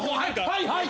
はいはい！